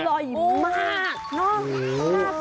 อร่อยมาก